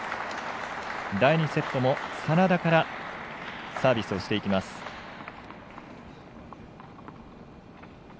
第２セットも眞田からサービスをしていきます。